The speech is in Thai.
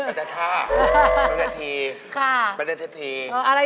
สทธาปันกธทีปันกธธี